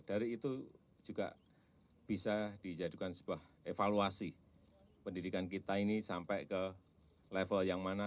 dari itu juga bisa dijadikan sebuah evaluasi pendidikan kita ini sampai ke level yang mana